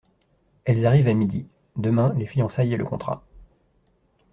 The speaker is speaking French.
Elles arrivent à midi… demain les fiançailles et le contrat…